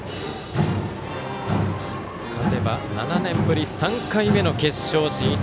勝てば７年ぶり３回目の決勝進出